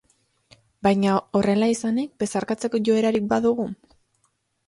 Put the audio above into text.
Baina, horrela izanik, besarkatzeko joerarik ba dugu?